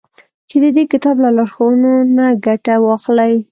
چي د دې كتاب له لارښوونو نه گټه واخلي.